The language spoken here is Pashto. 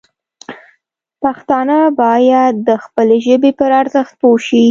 پښتانه باید د خپلې ژبې پر ارزښت پوه شي.